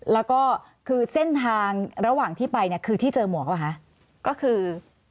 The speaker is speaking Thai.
แล้วก็คือเส้นทางระหว่างที่ไปเนี่ยคือที่เจอหมวกหรือเปล่าคะก็คือ